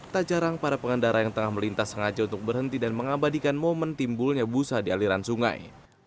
tak jarang para pengendara yang tengah melintas sengaja untuk berhenti dan mengabadikan momen timbulnya busa di aliran sungai